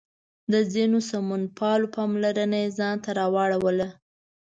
د ځینو سمونپالو پاملرنه یې ځان ته راواړوله.